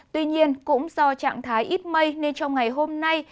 tuy nhiên cũng do trạng thái ít mây nên trong ngày hôm nay